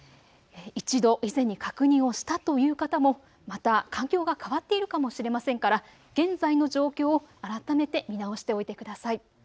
１度、以前に確認をしたという方もまた環境が変わっているかもしれませんから現在の状況を改めて見直しておいてください。